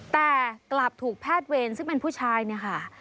แต่กลับถูกแพทย์เวรซึ่งเป็นผู้ชายเนี่ยค่ะ